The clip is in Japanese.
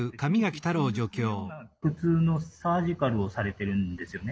普通のサージカルをされてるんですよね？